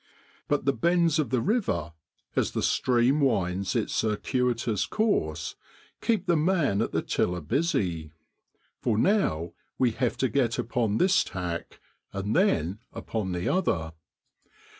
But the bends of the river, as the stream winds its circuitous course, keep the man at the tiller busy, for now we have to get upon this tack and then upon the other.